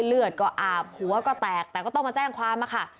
เลือดก็อาบหัวก็แตกแต่ก็ต้องมาแจ้งความค่ะ